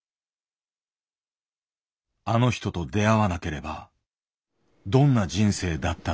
あの人と出会わなければどんな人生だっただろう。